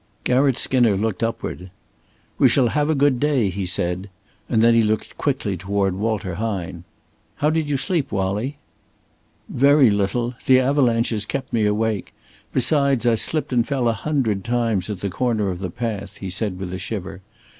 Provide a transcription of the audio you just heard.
Garratt Skinner looked upward. "We shall have a good day," he said; and then he looked quickly toward Walter Hine. "How did you sleep, Wallie?" "Very little. The avalanches kept me awake. Besides, I slipped and fell a hundred times at the corner of the path," he said, with a shiver.